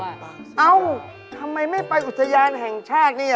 เอ้าทำไมไม่ไปอุทยานแห่งชาตินี่